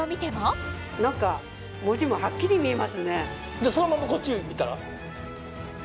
さらにそのままこっち見たら？